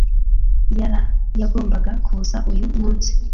yalla yagombaga kuza uyu munsi